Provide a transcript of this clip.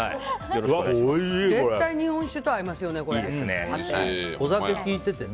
絶対、日本酒と合いますよね。